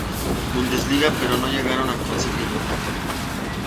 Bundesliga, pero no llegaron a conseguirlo.